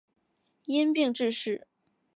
因病致仕。